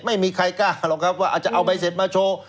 ไม่มีใครกล้าหรอกครับว่าอาจจะเอาใบเสร็จมาโชว์